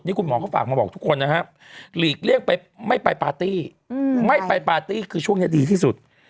คุณหมอเขาฝากมาบอกทุกคนนะครับหลีกเลี่ยงไปไม่ไปปาร์ตี้ไม่ไปปาร์ตี้คือช่วงนี้ดีที่สุด